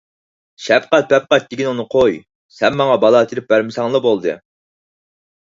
شەپقەت - پەپقەت دېگىنىڭنى قوي، سەن ماڭا بالا تېرىپ بەرمىسەڭلا بولدى.